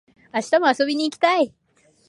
明日も遊びに行きたい